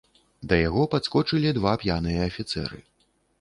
Да яго падскочылі два п'яныя афіцэры.